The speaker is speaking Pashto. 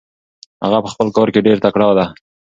هغه په خپل کار کې ډېر تکړه دی.